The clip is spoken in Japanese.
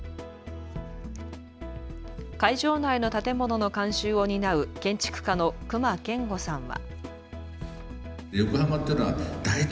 会場内の建物の監修を担う建築家の隈研吾さんは。